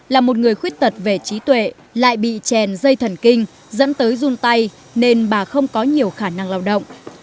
là một người khuyết tật về trí tuệ lại bị chèn dây thần kinh dẫn tới run tay nên bà không có nhiều khả năng lao động